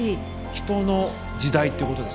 人の時代ってことですよね？